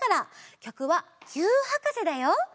きょくは「ぎゅーっはかせ」だよ！